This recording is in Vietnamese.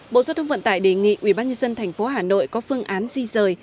bộ giao thông vận tải đề nghị ubnd tp hà nội có phương án di rời